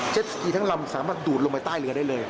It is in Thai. อีทั้งลำสามารถดูดลงไปใต้เรือได้เลย